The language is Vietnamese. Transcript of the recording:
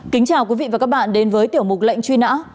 kính chào quý vị và các bạn đến với tiểu mục lệnh truy nã